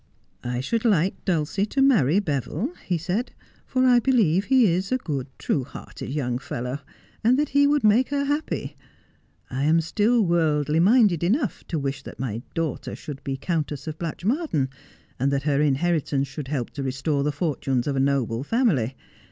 ' I should like Dulcie to marry Beville,' he said, ' for I be lieve he is a good, true hearted young fellow, and that he would make her happy. I am still worldly minded enough to wish that my daughter should be Countess of Blatchmardean, and that her inheritance should help to restore the fortunes of a noble family.